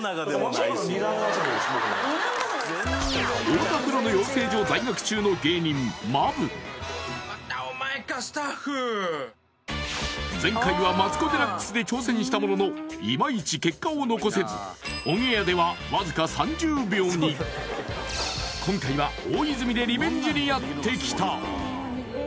太田プロの養成所在学中の芸人ＭＡＢ前回はマツコ・デラックスで挑戦したもののイマイチ結果を残せずオンエアではわずか３０秒に今回は大泉でリベンジにやってきた